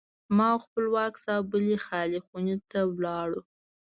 ما او خپلواک صاحب بلې خالي خونې ته لاړو.